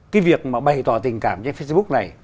cái việc mà bày tỏ tình cảm trên facebook này